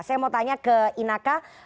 saya mau tanya ke inaka